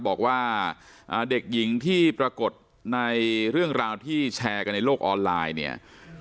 บอกว่าเด็กหญิงที่ปรากฏในเรื่องราวที่แชร์กันในโลกออนไลน์เนี่ย